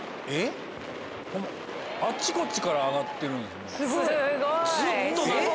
あっちこっちから上がってるんですね。